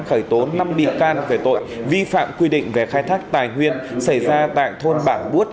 khởi tố năm bị can về tội vi phạm quy định về khai thác tài nguyên xảy ra tại thôn bản bút